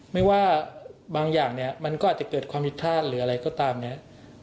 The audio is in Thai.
ไม่ว่าบางอย่างเนี่ยมันก็อาจจะเกิดความผิดพลาดหรืออะไรก็ตามเนี่ย